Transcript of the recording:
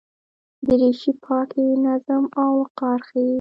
دریشي پاکي، نظم او وقار ښيي.